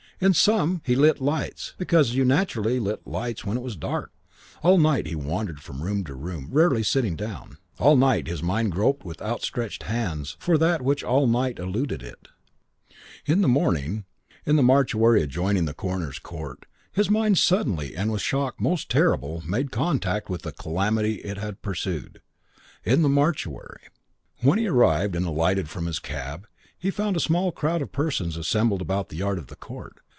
In some he lit lights because you naturally lit lights when it was dark. All night he wandered from room to room, rarely sitting down. All night his mind groped with outstretched hands for that which all night eluded it. III In the morning, in the mortuary adjoining the coroner's court, his mind suddenly and with shock most terrible made contact with the calamity it had pursued. In the mortuary.... When he arrived and alighted from his cab he found a small crowd of persons assembled about the yard of the court.